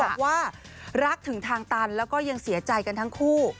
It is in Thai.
บอกว่ารักถึงทางตันแล้วก็ยังเสียใจกันทั้งคู่